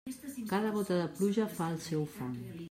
Cada gota de pluja fa el seu fang.